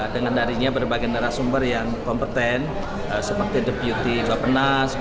dengan darinya berbagai narasumber yang kompeten seperti deputi bapenas